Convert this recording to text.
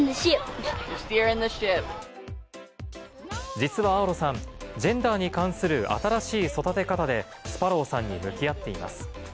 実はアーロさん、ジェンダーに関する新しい育て方で、スパロウさんに向き合っています。